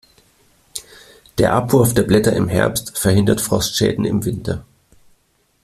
Der Abwurf der Blätter im Herbst verhindert Frostschäden im Winter.